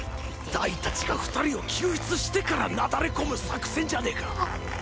ダイたちが２人を救出してからなだれ込む作戦じゃねえか。